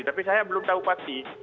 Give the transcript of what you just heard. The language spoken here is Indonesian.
tapi saya belum tahu pasti